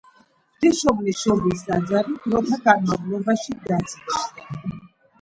ღვთისმშობლის შობის ტაძარი დროთა განმავლობაში დაძველდა.